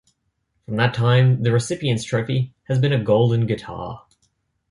From that time the recipient's trophy has been a Golden Guitar.